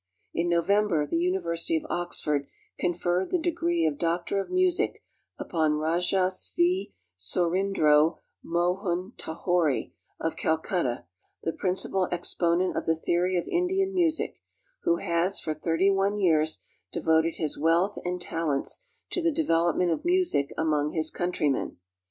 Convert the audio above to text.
In November the University of Oxford conferred the degree of Doctor of Music upon Raja Svi Sourindro Mohun Tajore, of Calcutta, the principal exponent of the theory of Indian music, who has for 31 years devoted his wealth and talents to the development of music among his countrymen.